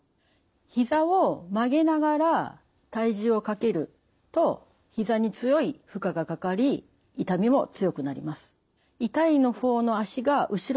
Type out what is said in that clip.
ひざを曲げながら体重をかけるとひざに強い負荷がかかり痛みも強くなります。